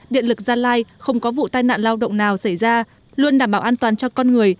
điện lực gia lai không có vụ tai nạn lao động nào xảy ra luôn đảm bảo an toàn cho con người